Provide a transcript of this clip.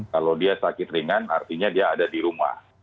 kalau dia sakit ringan artinya dia ada di rumah